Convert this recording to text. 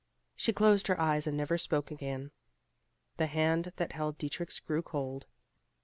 She closed her eyes and never spoke again. The hand that held Dietrich's grew cold.